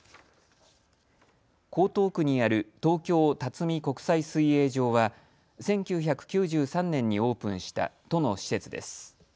江東区にある東京辰巳国際水泳場は１９９３年にオープンした都の施設です。